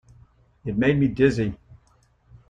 It made me dizzy.